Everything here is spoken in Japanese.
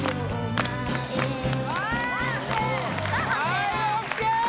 はいＯＫ